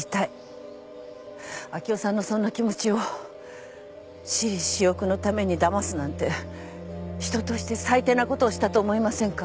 明生さんのそんな気持ちを私利私欲のためにだますなんて人として最低なことをしたと思いませんか？